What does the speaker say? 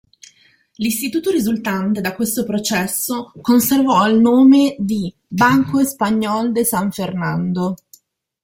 L'istituto risultante da questo processo conservò il nome die "Banco Español de San Fernando".